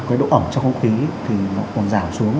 cái độ ẩm trong không khí thì nó còn giảm xuống